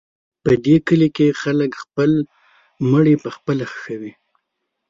په دې کلي کې خلک خپل مړي پخپله ښخوي.